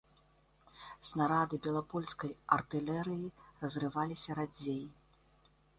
Снарады белапольскай артылерыі разрываліся радзей.